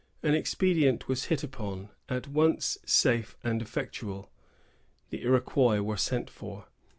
An expedient was hit upon, at once safe and effectual. The Iroquois were sent for.